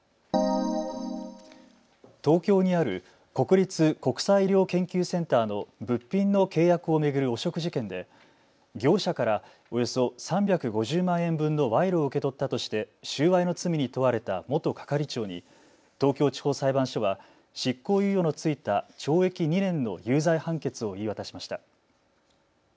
東京にある国立国際医療研究センターの物品の契約を巡る汚職事件で業者からおよそ３５０万円分の賄賂を受け取ったとして収賄の罪に問われた元係長に東京地方裁判所は執行猶予のついた懲役２年の有罪判決を言い渡しました。